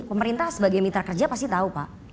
pemerintah sebagai mitra kerja pasti tahu pak